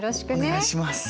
お願いします。